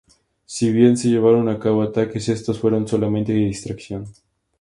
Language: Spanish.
Si bien se llevaron a cabo ataques, estos fueron solamente de distracción.